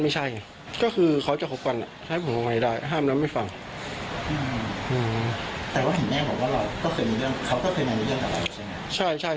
ใช่ใช่เขาก็เคยทำร้ายแฟนผมมาไง